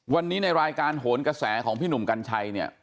วันนี้ในรายการโหนกระแสของพี่หนุ่มกัญชัยเนี่ย